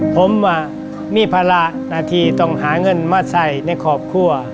ผมมีภาระหน้าที่ต้องหาเงินมาใส่ในครอบครัว